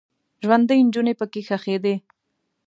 ژوندۍ نجونې پکې ښخیدې.